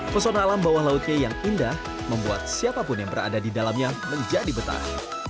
pesona alam bawah lautnya yang indah membuat siapapun yang berada di dalamnya menjadi betah